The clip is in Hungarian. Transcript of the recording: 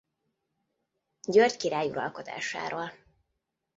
György király uralkodásáról.